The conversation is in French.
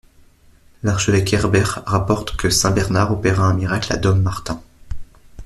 L'archevêque Herbert rapporte que Saint-Bernard opéra un miracle à Dommartin.